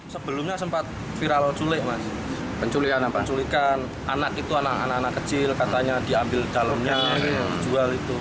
sebelumnya sempat viral culik mas penculikan anak anak kecil katanya diambil dalemnya dijual itu